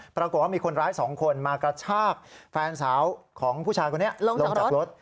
ปรากฏว่ามีคนร้ายสองคนมากระชากแฟนสาวของผู้ชายคนนี้ลงจากรถ